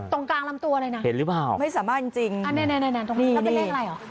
ตรงกลางลำตัวอะไรนะเห็นหรือเปล่าไม่สามารถจริงแล้วเป็นเลขอะไรหรอ